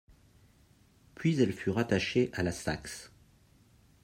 Puis elle fut rattachée à la Saxe.